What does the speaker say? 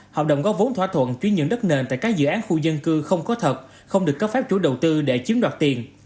hợp đồng góp vốn thỏa thuận chuyên nhận đất nền tại các dự án khu dân cư không có thật không được cấp phép chủ đầu tư để chiếm đoạt tiền